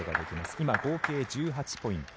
今、合計１８ポイント。